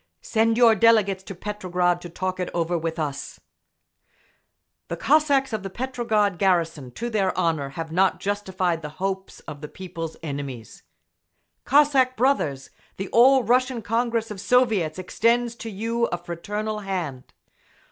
Send your delegates to Petrograd to talk it over with us…. The Cossacks of the Petrograd garrison, to their honour, have not justified the hope of the People's enemies…. Cossack brothers! The All Russian Congress of Soviets extends to you a fraternal hand.